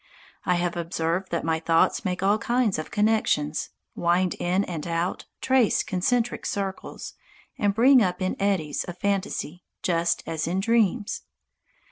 I have observed that my thoughts make all kinds of connections, wind in and out, trace concentric circles, and break up in eddies of fantasy, just as in dreams.